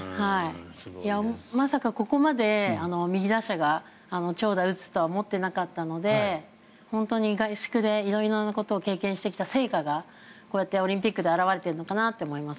まさかここまで右打者が長打を打つとは思っていなかったので本当に合宿で色々なことを経験してきた成果がこうやってオリンピックで表れているのかなと思います。